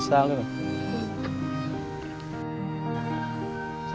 siapa yang itu yang sangat selalu menyesal